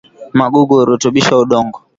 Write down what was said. magugu hurutubisha udongo